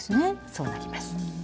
そうなります。